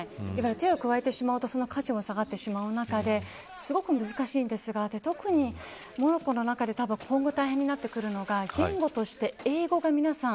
手を加えてしまうと価値も下がってしまう中ですごく難しいんですが特にモロッコの中で今後、大変になってくるのが言語として英語が皆さん